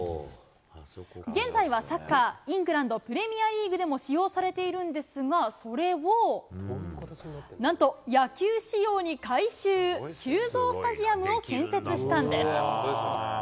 現在はサッカー、イングランドプレミアリーグでも使用されているんですが、それを、なんと、野球仕様に改修、急造スタジアムを建設したんです。